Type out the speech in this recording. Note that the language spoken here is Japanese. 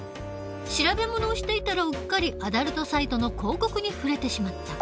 調べ物をしていたらうっかりアダルトサイトの広告に触れてしまった。